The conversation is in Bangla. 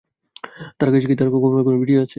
তার কাছে কি তোর কুকর্মের কোন ভিডিও আছে?